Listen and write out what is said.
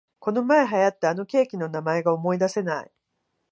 このまえ流行ったあのケーキの名前が思いだせない